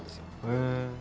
へえ。